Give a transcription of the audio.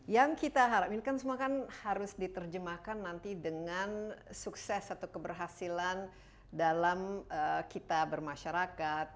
yang kita harapkan semua kan harus diterjemahkan nanti dengan sukses atau keberhasilan dalam kita bermasyarakat